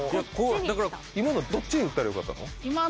今のはどっちに打ったらよかったの？